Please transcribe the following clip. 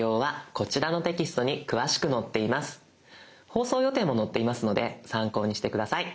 放送予定も載っていますので参考にして下さい。